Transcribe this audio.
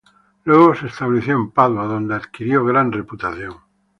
Luego se estableció en Padua, donde adquirió gran reputación.